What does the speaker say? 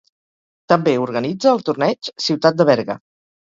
També organitza el Torneig Ciutat de Berga.